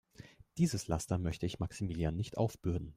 Dieses Laster möchte ich Maximilian nicht aufbürden.